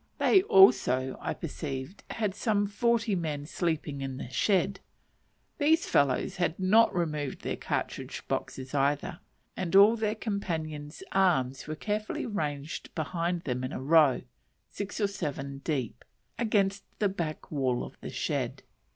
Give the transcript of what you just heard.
They also, I perceived, had some forty men sleeping in the shed; these fellows had not removed their cartridge boxes either, and all their companions' arms were carefully ranged behind them in a row, six or seven deep, against the back wall of the shed.